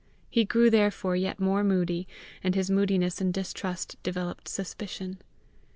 He grew therefore yet more moody, and his moodiness and distrust developed suspicion.